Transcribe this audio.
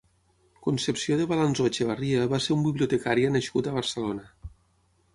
Concepció de Balanzó Echevarria va ser un bibliotecària nascut a Barcelona.